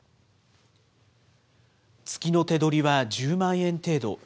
月の手取りは１０万円程度。